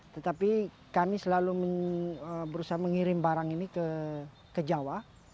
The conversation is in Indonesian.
tetapi kami selalu berusaha mengirim barang ini ke jawa